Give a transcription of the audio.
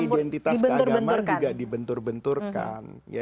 identitas keagamaan juga dibentur benturkan